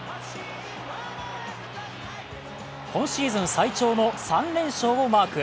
今シーズン最長の３連勝をマーク。